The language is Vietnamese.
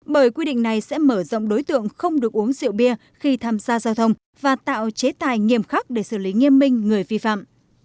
bởi quy định này sẽ mở rộng đối tượng không được uống rượu bia khi tham gia giao thông và tạo chế tài nghiêm khắc để xử lý nghiêm minh người vi phạm